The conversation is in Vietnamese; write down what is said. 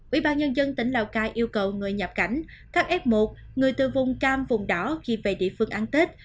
ủy ban nhân dân tỉnh lào cai yêu cầu người nhập cảnh các f một người từ vùng cam vùng đỏ khi về địa phương ăn tết